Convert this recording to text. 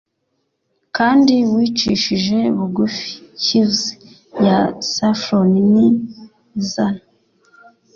Kandi wicishije bugufi chives ya saffron izana